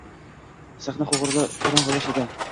Sahna qorong‘ilashadi…